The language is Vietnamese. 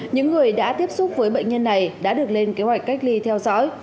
những người đã tiếp xúc với bệnh nhân này đã được lên kế hoạch cách ly theo dõi